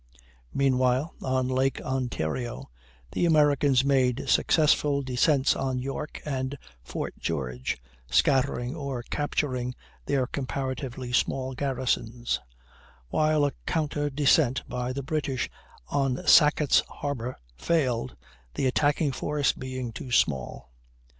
Meanwhile, on Lake Ontario, the Americans made successful descents on York and Fort George, scattering or capturing their comparatively small garrisons; while a counter descent by the British on Sackett's Harbor failed, the attacking force being too small.